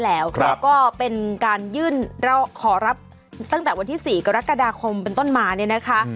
แล้วก็เป็นการยื่นขอรับตั้งแต่วันที่๔กรกฎาคมเป็นต้นมาเนี่ยนะคะ